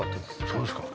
そうですか。